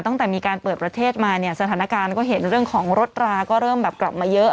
ตั้งแต่มีการเปิดประเทศมาเนี่ยสถานการณ์ก็เห็นเรื่องของรถราก็เริ่มแบบกลับมาเยอะ